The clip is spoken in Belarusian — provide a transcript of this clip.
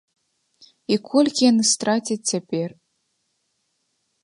І колькі яны страцяць цяпер?